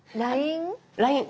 「ＬＩＮＥ」？